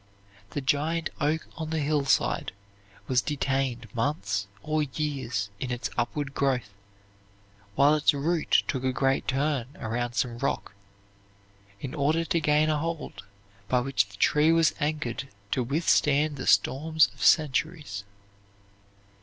The giant oak on the hillside was detained months or years in its upward growth while its root took a great turn around some rock, in order to gain a hold by which the tree was anchored to withstand the storms of centuries.